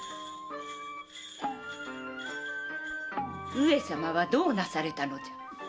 上様はどうなされたのじゃ？